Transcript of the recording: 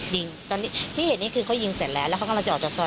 ยิงตอนนี้ที่เห็นนี่คือเขายิงเสร็จแล้วแล้วเขากำลังจะออกจากซอย